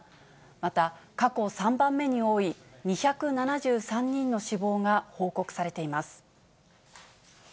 また、過去３番目に多い２７３人の死亡が報告されています。